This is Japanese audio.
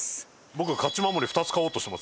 僕勝守２つ買おうとしてますから。